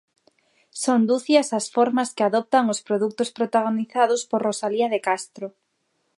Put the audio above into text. Son ducias as formas que adoptan os produtos protagonizados por Rosalía de Castro.